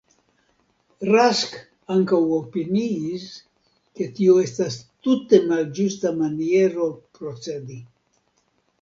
Rask ankaŭ opiniis ke tio estas tute malĝusta maniero procedi.